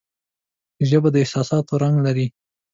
ژبه د احساساتو رنگ لري